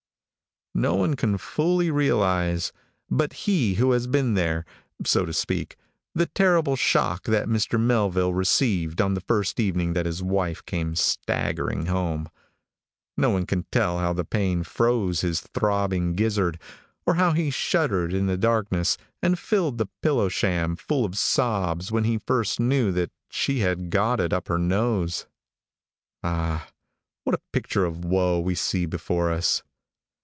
No one can fully realize, but he who has been there, so to speak, the terrible shock that Mr. Melville received on the first evening that his wife came staggering home. No one can tell how the pain froze his throbbing gizzard, or how he shuddered in the darkness, and filled the pillow sham full of sobs when he first knew that she had got it up her nose. Ah, what a picture of woe we see before us.